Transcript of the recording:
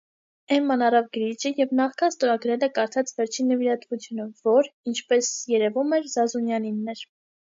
Էմման առավ գրիչը, և նախքան ստորագրելը, կարդաց վերջին նվիրատվությունը, որ, ինչպես երևում էր, Զազունյանինն էր.